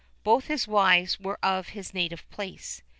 Both his wives were of his native place.